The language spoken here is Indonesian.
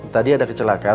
tadi ada kecelakaan